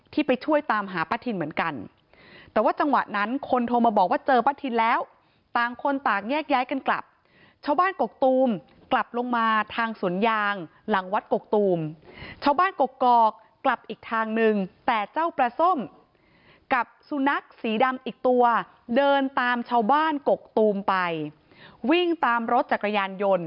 ทั้งสุนัขสีดำวิ่งไปทางบ้านกกกกกกกกกกกกนะคะอันนี้เป็นข้อมูลจากชาวบ้านกกกกกกกกกตูมนะคะ